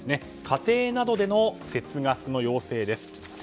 家庭などでの節ガスの要請です。